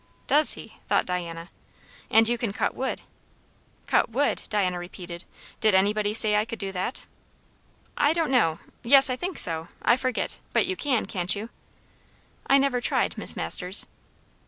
Does he? thought Diana. "And you can cut wood?" "Cut wood!" Diana repeated. "Did anybody say I could do that?" "I don't know Yes, I think so. I forget. But you can, can't you?" "I never tried, Miss Masters."